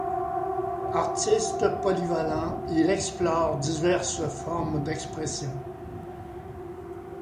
Artiste polyvalent, il explore diverses formes d'expression.